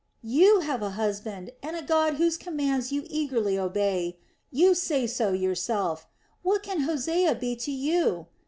You have a husband, and a God whose commands you eagerly obey you say so yourself. What can Hosea be to you?